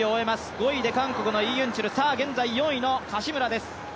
５位で韓国のイ・ユンチュル、現在４位の柏村です。